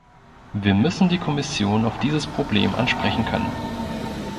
Wir müssen die Kommission auf dieses Problem ansprechen können.